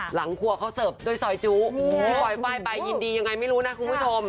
หลังครัวเขาเสิร์ฟด้วยซอยจุพี่ปลอยไฟล์ไปยินดียังไงไม่รู้นะคุณผู้ชม